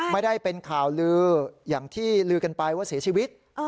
ไม่ได้เป็นข่าวลืออย่างที่ลือกันไปว่าเสียชีวิต